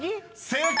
［正解！